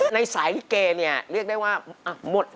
ในสายนี้แกเรียกได้ว่าหมดห่วง